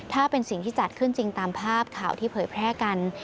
ถ้าเป็นสิ่งที่จัดขึ้นจริงตามภาพข่าวที่เผยแพร่กัน